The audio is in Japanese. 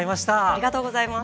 ありがとうございます。